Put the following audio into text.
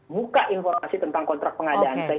buka informasi tentang kontrak pengadaan